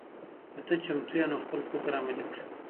که ته چمتو یې نو خپل فکر عملي کړه.